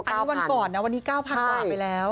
อันนี้วันก่อนนะวันนี้๙๐๐กว่าไปแล้ว